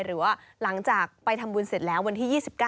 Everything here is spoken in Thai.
หรือว่าหลังจากไปทำบุญเสร็จแล้ววันที่๒๙